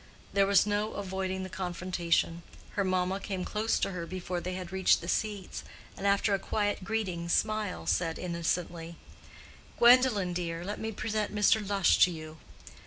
There was no avoiding the confrontation: her mamma came close to her before they had reached the seats, and, after a quiet greeting smile, said innocently, "Gwendolen, dear, let me present Mr. Lush to you."